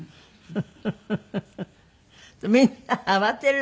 フフフフ！